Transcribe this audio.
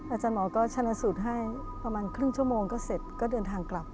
อาจารย์หมอก็ชนะสูตรให้ประมาณครึ่งชั่วโมงก็เสร็จก็เดินทางกลับ